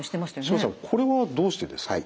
柴田さんこれはどうしてですか？